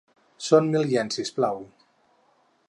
Son mil iens, si us plau.